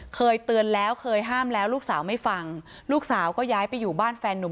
เคยเตือนแล้วเคยห้ามแล้วลูกสาวไม่ฟังลูกสาวก็ย้ายไปอยู่บ้านแฟนนุ่ม